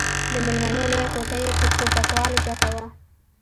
د ميلمنو لويه کوټه يې په ټوپکوالو ډکه وه.